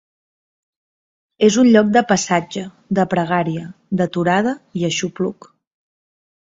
És un lloc de passatge, de pregària, d'aturada i aixopluc.